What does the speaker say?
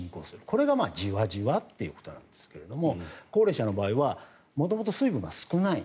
これがじわじわということなんですが高齢者の場合は元々水分が少ない。